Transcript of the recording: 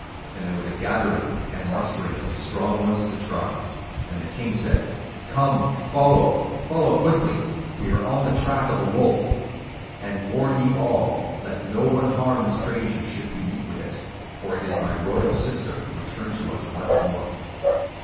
And there was a gathering and mustering of the strong ones of the tribe. And the king said, 'Come, follow, follow quickly, we are on the track of a wolf. I warn ye all, let no one harm the stranger should we meet with it; for it is my royal sister, returned to us once more!